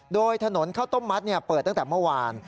โดยถนนข้าวต้มมัดเปิดตั้งแต่เมื่อวาน